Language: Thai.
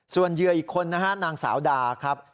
ส่วนเหยื่ออีกคนนะฮะนางสาวดาครับ